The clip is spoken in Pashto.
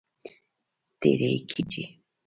تېری کیږي.